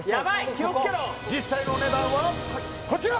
気をつけろ実際のお値段はこちら！